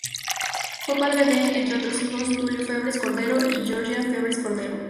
Fue padre de, entre otros hijos, Tulio Febres Cordero y Georgina Febres-Cordero.